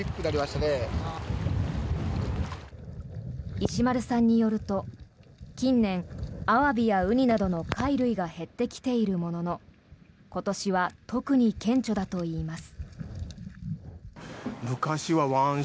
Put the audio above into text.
石丸さんによると近年、アワビやウニなどの貝類が減ってきているものの今年は特に顕著だといいます。